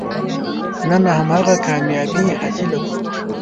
نن هماغه کامیابي حاصله کړو.